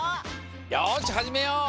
よしはじめよう！